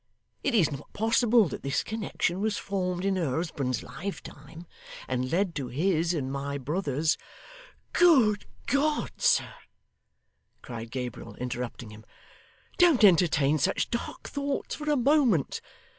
It is not possible that this connection was formed in her husband's lifetime, and led to his and my brother's ' 'Good God, sir,' cried Gabriel, interrupting him, 'don't entertain such dark thoughts for a moment.